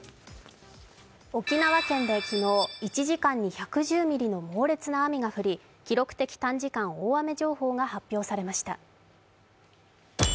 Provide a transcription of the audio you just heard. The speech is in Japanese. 沖縄県で昨日１時間に１１０ミリの猛烈な雨が降り、記録的短時間大雨情報が発表されました。